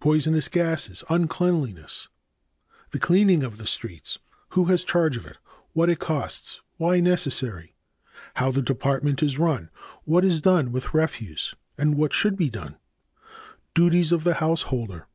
Poisonous gases. Uncleanliness. 2. The cleaning of the streets. a. Who has charge of it. b. What it costs. c. Why necessary. d. How the department is run. e. What is done with the refuse and what should be done. f. Duties of the householder.